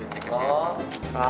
cek ke siapa